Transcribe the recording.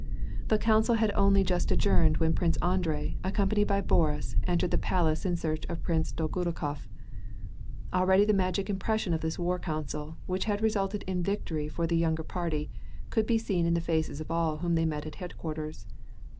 The council had only just adjourned when Prince Andrei, accompanied by Boris, entered the palace in search of Prince Dolgorukof. Already the magic impression of this war council, which had resulted in victory for the younger party, could be seen in the faces of all whom they met at headquarters.